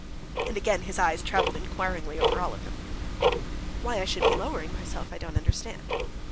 And again his eyes traveled inquiringly over all of them. "Why I should be lowering myself, I don't understand."